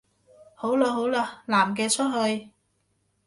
好喇好喇，男嘅出去